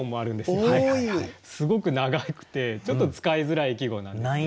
すごく長くてちょっと使いづらい季語なんですけど。